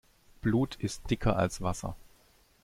Blut ist dicker als Wasser.